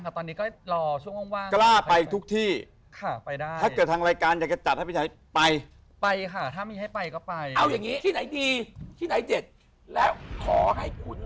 เหมือนเขาก็เอากระดูกก้นตายใส่ไปในหุ่น